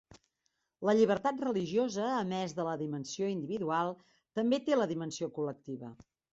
La llibertat religiosa, a més de la dimensió individual, també té la dimensió col·lectiva.